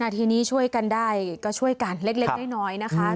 ทีนี้ช่วยกันได้ก็ช่วยกันเล็กน้อยนะคะ